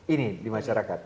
ini di masyarakat